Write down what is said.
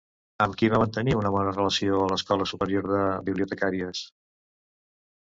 Amb qui va mantenir una bona relació a l'Escola Superior de Bibliotecàries?